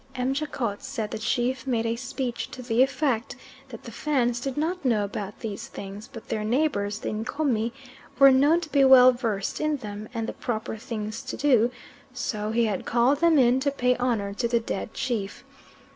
M. Jacot said the chief made a speech to the effect that the Fans did not know about these things, but their neighbours, the Ncomi, were known to be well versed in them and the proper things to do, so he had called them in to pay honour to the dead chief.